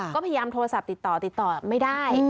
ก็พยายามโทรศัพท์ติดต่อติดต่อไม่ได้